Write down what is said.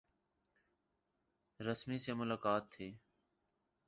رسمی سی ملاقات تھی۔